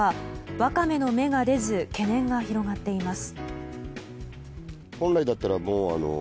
ワカメの芽が出ず懸念が広がっています。